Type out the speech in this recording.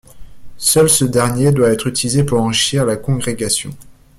Seul ce dernier doit être utilisé pour enrichir la congrégation.